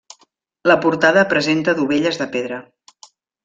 La portada presenta dovelles de pedra.